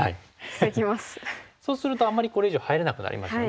そうするとあまりこれ以上入れなくなりますよね。